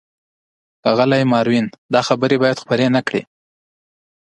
ښاغلی ماروین، دا خبرې باید خپرې نه کړې.